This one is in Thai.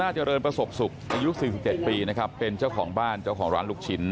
เจริญประสบสุขอายุ๔๗ปีนะครับเป็นเจ้าของบ้านเจ้าของร้านลูกชิ้น